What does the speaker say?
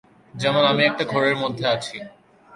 যেমন আমি একটা ঘোরের মধ্যে আছি।